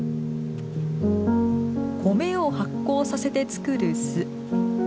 米を発酵させて作る酢。